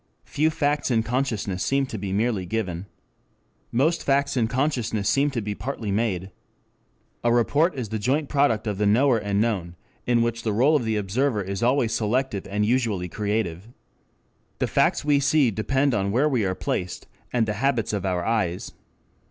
Few facts in consciousness seem to be merely given. Most facts in consciousness seem to be partly made. A report is the joint product of the knower and known, in which the role of the observer is always selective and usually creative. The facts we see depend on where we are placed, and the habits of our eyes.